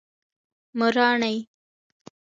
مراڼی